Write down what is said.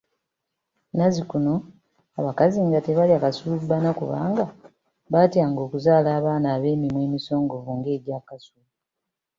Nazzikuno abakazi nga tebalya Kasulubbana kubanga baatyanga okuzaala abaana abeemimwa emisongovu ng'egya Kasulu.